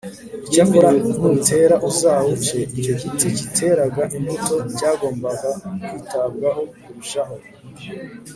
icyakora nutera uzawuce’ icyo giti kiteraga imbuto cyagombaga kwitabwaho kurushaho